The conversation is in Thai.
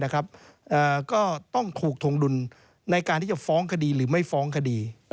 ก็ต้องถูกทงดุลในการที่จะฟ้องคดีหรือไม่ฟ้องคดี